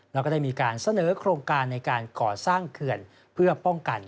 แล้วก็ได้มีการเสนอโครงการในการก่อสร้างเขื่อนเพื่อป้องกัน